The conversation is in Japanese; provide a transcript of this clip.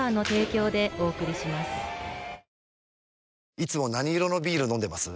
いつも何色のビール飲んでます？